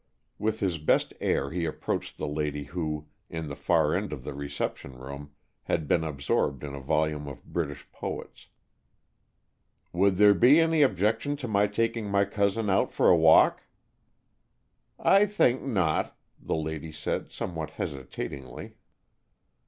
With his best air he approached the lady who, in the far end of the reception room, had been absorbed in a volume of British Poets. "Would there be any objection to my taking my cousin out for a walk?" "I think not," the lady said, somewhat hesitatingly.